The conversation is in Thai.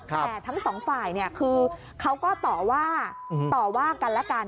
แต่ทั้งสองฝ่ายนี่คือเขาก็ต่อว่ากันและกัน